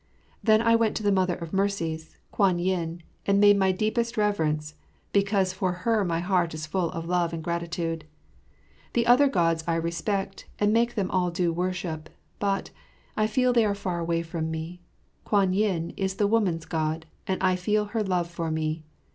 Then I went to the Mother of Mercies, Kwan yin, and made my deepest reverence, because for her my heart is full of love and gratitude. The other Gods I respect and make them all due worship, but, I feel they are far away from me. Kwan yin, is the woman's God, and I feel her love for me.